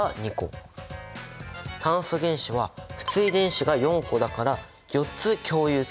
炭素原子は不対電子が４個だから４つ共有結合できる。